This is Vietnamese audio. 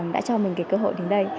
đã cho mình cơ hội đến đây